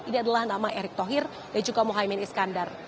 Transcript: ini adalah nama erick thohir dan juga mohaimin iskandar